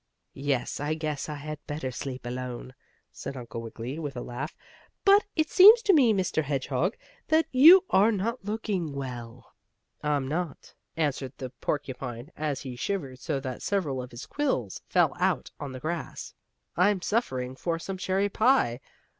"Yes, I guess I had better sleep alone," said Uncle Wiggily, with a laugh. "But it seems to me, Mr. Hedgehog, that you are not looking well." "I'm not," answered the porcupine, as he shivered so that several of his quills fell out on the grass. "I'm suffering for some cherry pie.